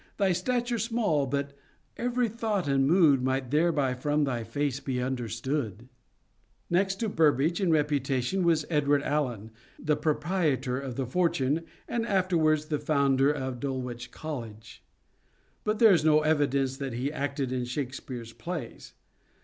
Thy stature small, but every thought and mood Might thereby from thy face be understood. Next to Burbage in reputation was Edward Alleyne, the proprietor of The Fortune, and afterwards the founder of Dulwich College ; but there is no evidence that he acted in Shakespeare's plays.